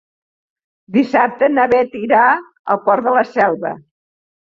Dissabte na Beth irà al Port de la Selva.